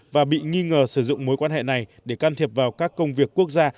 và bị nghi ngờ sử dụng mối quan hệ này để can thiệp vào các công việc quốc gia